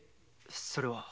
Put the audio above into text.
それは。